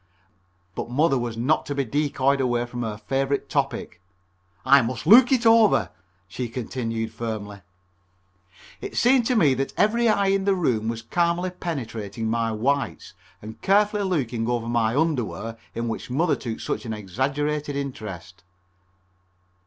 But Mother was not to be decoyed away from her favorite topic. "I must look it over," she continued firmly. It seemed to me that every eye in the room was calmly penetrating my whites and carefully looking over the underwear in which Mother took such an exaggerated interest.